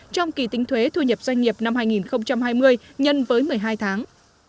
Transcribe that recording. trong kỳ tính thuế thu nhập doanh nghiệp năm hai nghìn hai mươi nhân với một mươi hai tháng